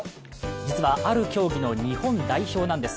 実はある競技の日本代表なんです。